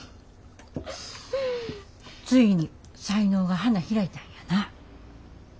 ついに才能が花開いたんやな。